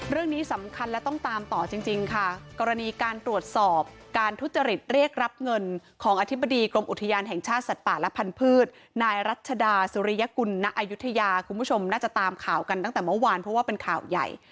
เรื่องนี้สำคัญและต้องตามต่อจริงค่ะกรณีการตรวจสอบการทุจริตเรียกรับเงินของอธิบดีกรมอุทยานแห่งชาติสัตว์ป่าและพันธุ์นายรัชดาสุริยกุลณอายุทยาคุณผู้ชมน่าจะตามข่าวกันตั้งแต่เมื่อวานเพราะว่าเป็นข่าวใหญ่